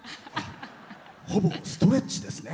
ほぼストレッチですね。